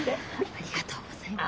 ありがとうございます。